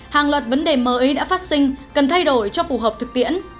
hàng loạt vấn đề mới đã phát sinh cần thay đổi cho phù hợp thực tiễn